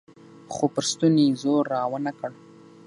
خو پر ستوني يې زور راونه کړ.